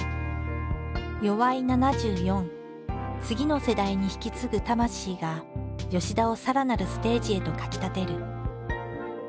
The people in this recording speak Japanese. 次の世代に引き継ぐ魂が田をさらなるステージへとかきたてる。